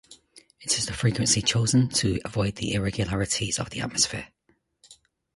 It is the frequency chosen to avoid the irregularities of the atmosphere.